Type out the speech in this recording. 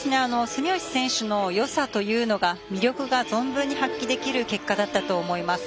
住吉選手のよさというのが魅力が存分に発揮できる結果だったと思います。